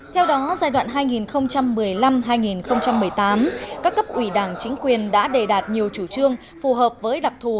theo đó giai đoạn hai nghìn một mươi năm hai nghìn một mươi tám các cấp ủy đảng chính quyền đã đề đạt nhiều chủ trương phù hợp với đặc thù